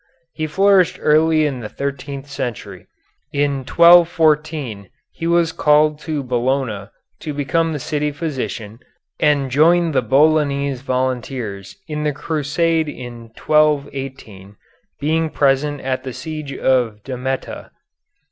He flourished early in the thirteenth century. In 1214 he was called to Bologna to become the city physician, and joined the Bolognese volunteers in the crusade in 1218, being present at the siege of Damietta.